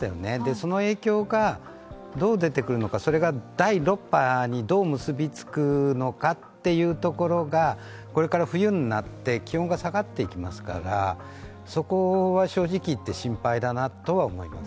その影響がどう出てくるのか、それが第６波にどう結びつくのかというところが、これから冬になって気温が下がっていきますからそこは正直言って心配だなと思います。